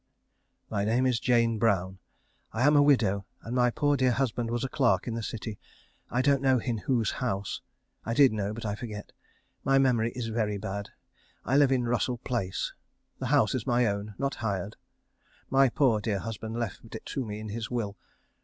_ My name is Jane Brown. I am a widow, and my poor dear husband was a clerk in the city. I don't know in whose house. I did know but I forget. My memory is very bad. I live in Russell Place. The house is my own, not hired. My poor dear husband left it to me in his will.